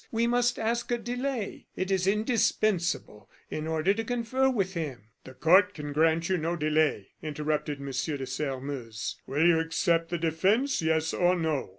We must ask a delay; it is indispensable, in order to confer with him." "The court can grant you no delay," interrupted M. de Sairmeuse; "will you accept the defence, yes or no?"